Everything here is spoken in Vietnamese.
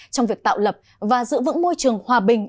trong việc tạo lập và giữ vững môi trường hòa bình